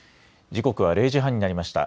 時刻は０時半になりました。